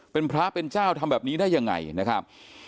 เป็นพระเป็นเจ้าทำแบบนี้ได้ยังไงนะครับ